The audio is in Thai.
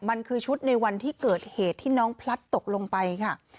มันคือชุดในวันที่เกิดเหตุที่น้องพลัดตกลงไปค่ะ